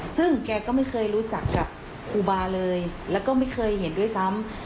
ซึ่งแกก็ไม่เคยรู้จักกับครูบาเลยแล้วก็ไม่เคยเห็นด้วยซ้ำ